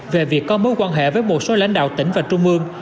về việc có mối quan hệ với một số lãnh đạo tỉnh và trung ương